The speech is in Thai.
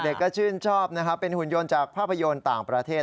เด็กก็ชื่นชอบนะครับเป็นหุ่นยนต์จากภาพยนตร์ต่างประเทศ